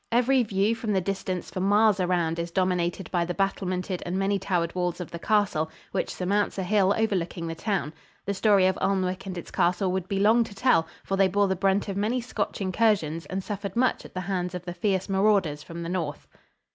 Every view from the distance for miles around is dominated by the battlemented and many towered walls of the castle, which surmounts a hill overlooking the town. The story of Alnwick and its castle would be long to tell, for they bore the brunt of many Scotch incursions and suffered much at the hands of the fierce marauders from the north.